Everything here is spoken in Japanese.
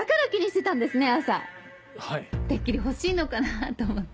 てっきり欲しいのかなと思って。